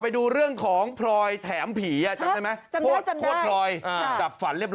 ไปดูเรื่องของพลอยแถมผีจำได้ไหม